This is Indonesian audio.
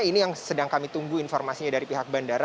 ini yang sedang kami tunggu informasinya dari pihak bandara